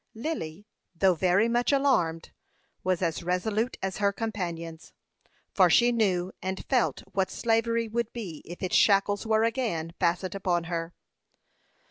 Lily, though very much alarmed, was as resolute as her companions; for she knew and felt what slavery would be if its shackles were again fastened upon her.